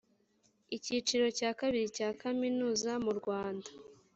icyiciro cya kabiri cya kaminuza mu rwanda